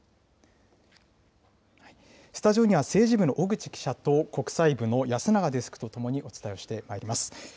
スタジオには政治部の小口記者と、国際部の安永デスクとともにお伝えしてまいります。